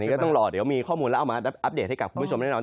ก็ต้องรอเดี๋ยวมีข้อมูลแล้วเอามาอัปเดตให้กับคุณผู้ชมแน่นอน